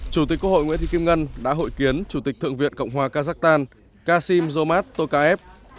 chủ tịch quốc hội nguyễn thị kim ngân đã hội kiến chủ tịch thượng viện cộng hòa kazakhstan kasim zomat tokayev